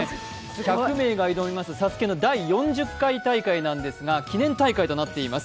１００名が挑みます「ＳＡＳＵＫＥ」の第４０回大会なんですが記念大会となっています。